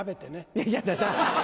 いやいや！